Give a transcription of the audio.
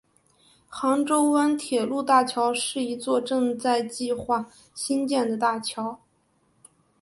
杭州湾铁路大桥是一座正在计划兴建的大桥。